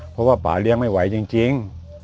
เพราะว่าป่าเลี้ยงไม่ไหวจริง